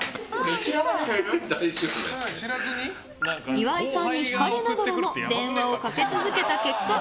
岩井さんに引かれながらも電話をかけ続けた結果。